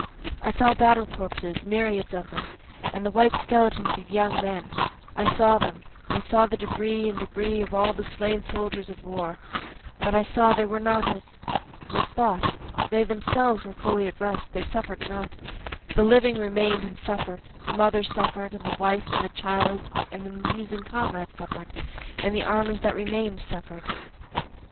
I saw battle corpses, myriads of them, And the white skeletons of young men, I saw them, I saw the debris and debris of all the slain soldiers of the war, But I saw they were not as was thought, They themselves were fully at rest, they suffer'd not, The living remain'd and suffer'd, the mother suffer'd, And the wife and the child and the musing comrade suffer'd, And the armies that remain'd suffer'd.